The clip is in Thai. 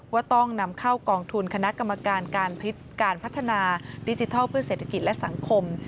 ว่าต้องนำเข้ากองทุนคณะกรรมการการพัฒนาดิจิทัลเพื่อเศรษฐกิจและสังคม